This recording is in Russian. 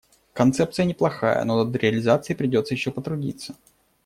Концепция неплохая, но над реализацией придётся ещё потрудиться.